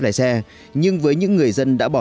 lái xe nhưng với những người dân đã bỏ